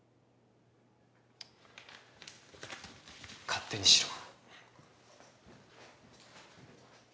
勝手にしろ。